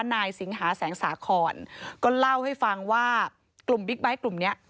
นายสิงหาแสงสาคอนก็เล่าให้ฟังว่ากลุ่มบิ๊กไบท์กลุ่มเนี้ย